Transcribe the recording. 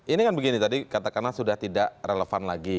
ini kan begini tadi katakanlah sudah tidak relevan lagi